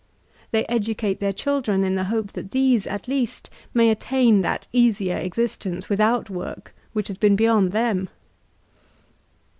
They educate their children in the hope that these, at least, may attain that easier existence, without work, which has been beyond them.